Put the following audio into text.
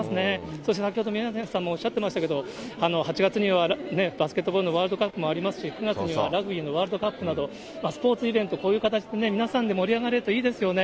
そして先ほど宮根さんもおっしゃってましたけど、８月にはバスケットボールのワールドカップもありますし、９月にはラグビーのワールドカップなど、スポーツイベント、こういう形で皆さんで盛り上がれるといいですね。